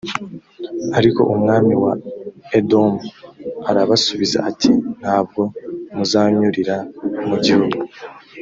ariko umwami wa edomu arabasubiza ati «nta bwo muzanyurira mu gihugu.